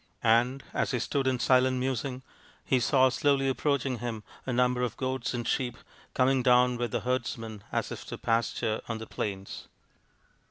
And as he stood in silent musing he saw slowly approaching him a number of goats and sheep coming down with the herdsmen as if to pasture on the plains.